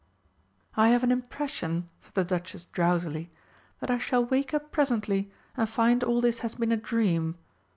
"I have an impression," said the Duchess drowsily, "that I shall wake up presently and find all this has been a dream.